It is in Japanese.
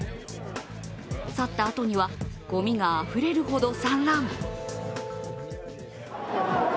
去ったあとには、ごみがあふれるほど散乱。